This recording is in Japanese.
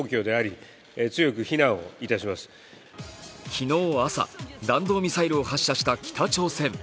昨日朝、弾道ミサイルを発射した北朝鮮。